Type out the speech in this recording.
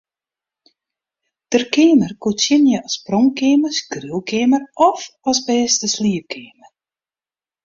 Der keamer koe tsjinje as pronkkeamer, skriuwkeamer of as bêste sliepkeamer.